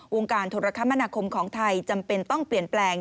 วงการโทรคมนาคมของไทยจำเป็นต้องเปลี่ยนแปลง